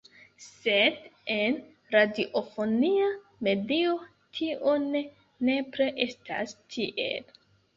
Sed en radiofonia medio tio ne nepre estas tiel.